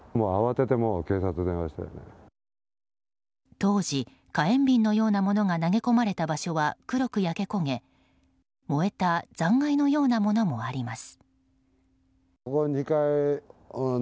当時、火炎瓶のようなものが投げ込まれた場所は黒く焼け焦げ燃えた残骸のようなものもあります。